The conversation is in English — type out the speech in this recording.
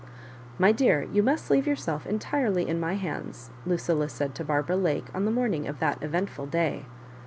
" My dear, you must leave yourself entirely in my hands," Lucilla said to Barbara Lake on the morning of that eventful day.